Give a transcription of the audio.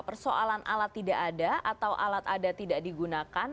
persoalan alat tidak ada atau alat ada tidak digunakan